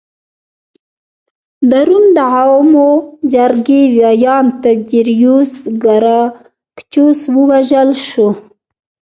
د روم د عوامو جرګې ویاند تیبریوس ګراکچوس ووژل شو